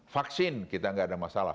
vaksin kita nggak ada masalah